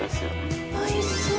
おいしそう。